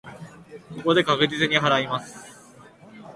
ここで確実に祓います。